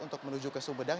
untuk menuju ke sumedang